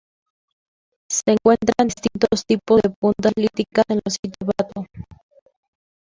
Se encuentran distintos tipos de puntas líticas en los sitios bato.